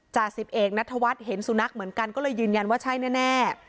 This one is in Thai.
จ่าสิบเอกนัทวัฒน์เห็นสุนัขเหมือนกันก็เลยยืนยันว่าใช่แน่